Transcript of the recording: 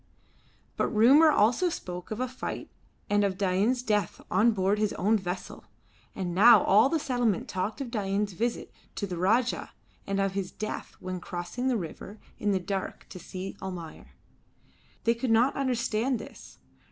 But rumour also spoke of a fight and of Dain's death on board his own vessel. And now all the settlement talked of Dain's visit to the Rajah and of his death when crossing the river in the dark to see Almayer. They could not understand this.